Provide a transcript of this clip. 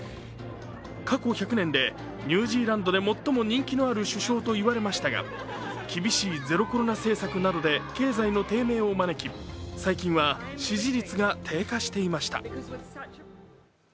過去１００年で、ニュージーランドで最も人気のある首相と言われましたが厳しいゼロコロナ政策などで経済の低迷を招き、最近は支持率が低下していました。